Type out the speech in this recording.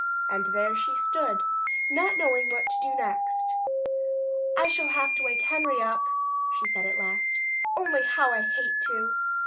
And there she stood, not knowing what to do next. "I shall have to wake Henry up," she said at last. "Only how I hate to!"